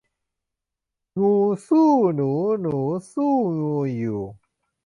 งูสู้หนูหนูสู้ งูอยู่